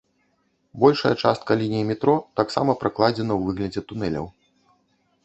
Большая частка ліній метро таксама пракладзена ў выглядзе тунэляў.